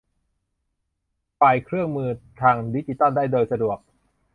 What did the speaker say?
ฝ่ายเครื่องมือทางดิจิทัลได้โดยสะดวก